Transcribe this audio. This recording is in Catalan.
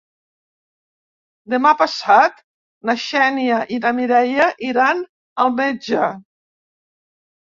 Demà passat na Xènia i na Mireia iran al metge.